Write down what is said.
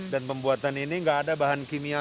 dan pembuatan ini gak ada bahan kimia